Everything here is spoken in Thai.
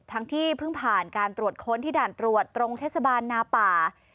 ที่เพิ่งผ่านการตรวจค้นที่ด่านตรวจตรงเทศบาลนาป่า